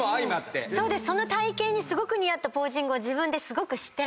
その体形に似合ったポージングを自分ですごく知ってる。